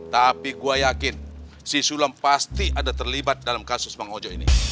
tapi gue yakin si sulam pasti ada terlibat dalam kasus bang ojo ini